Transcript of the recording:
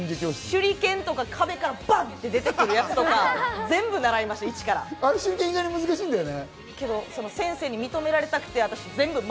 手裏剣とか壁からバッと出てくるやつとか、全部習いました、手裏剣って意外と難しいんだよね。